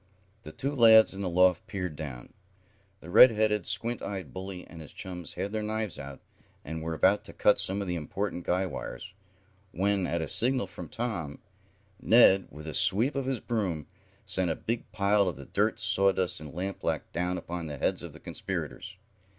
The two lads in the loft peered down. The red headed, squint eyed bully and his chums had their knives out, and were about to cut some of the important guy wires, when, at a signal from Tom, Ned, with a sweep of his broom, sent a big pile of the dirt, sawdust and lampblack down upon the heads of the conspirators.